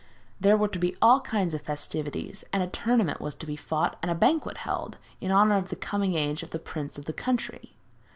There were to be all kinds of festivities, and a tournament was to be fought and a banquet held, in honour of the coming of age of the prince of the country.